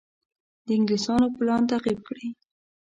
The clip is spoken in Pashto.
د انګلیسیانو پلان تعقیب کړي.